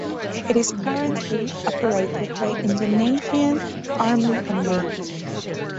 It is currently operated by Indonesian army and navy.